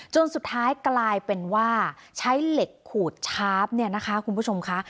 จนสุดท้ายกลายเป็นว่าใช้เหล็กขูดชาร์ฟเนี่ยนะคะคุณผู้ชมค่ะ